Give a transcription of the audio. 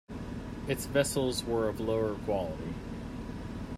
Its vessels were of lower quality.